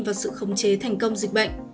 vào sự khống chế thành công dịch bệnh